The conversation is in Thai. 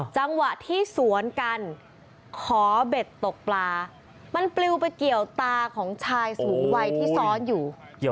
จังหวะที่สวนกันขอเบ็ดตกปลามันปลิวไปเกี่ยวตาของชายสูงวัยที่ซ้อนอยู่